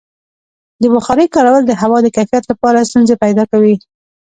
د بخارۍ کارول د هوا د کیفیت لپاره ستونزې پیدا کوي.